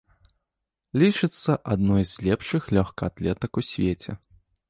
Лічыцца адной з лепшых лёгкаатлетак у свеце.